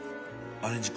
アレンジ。